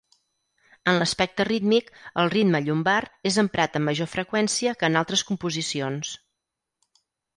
En l'aspecte rítmic, el ritme llombard és emprat amb major freqüència que en altres composicions.